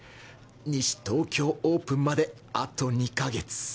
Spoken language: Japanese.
西東京オープンまであと２か月